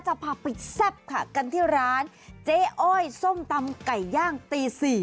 จะพาไปแซ่บค่ะกันที่ร้านเจ๊อ้อยส้มตำไก่ย่างตี๔